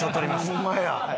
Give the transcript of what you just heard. ホンマや。